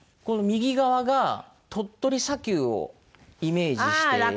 この右側が鳥取砂丘をイメージして。